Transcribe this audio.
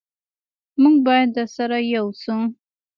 موږ باید سره ېو شو